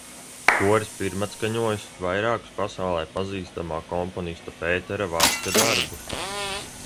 Koris pirmatskaņojis vairākus pasaulē pazīstamā komponista Pētera Vaska darbus.